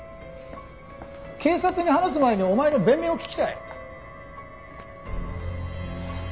警察に話す前にお前の弁明を聞きたい。